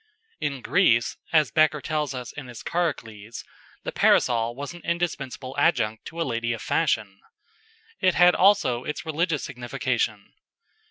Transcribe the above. In Greece, as Becker tells us in his "Charicles," the Parasol was an indispensable adjunct to a lady of fashion. It had also its religious signification.